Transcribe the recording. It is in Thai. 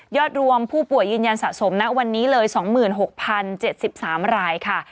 รวมผู้ป่วยยืนยันสะสมนะวันนี้เลย๒๖๐๗๓รายค่ะ